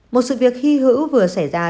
một sự việc hy hữu vừa xảy ra